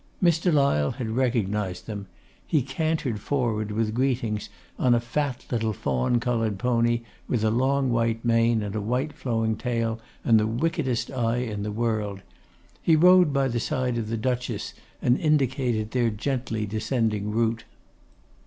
Mr. Lyle had recognised them. He cantered forward with greetings on a fat little fawn coloured pony, with a long white mane and white flowing tail, and the wickedest eye in the world. He rode by the side of the Duchess, and indicated their gently descending route.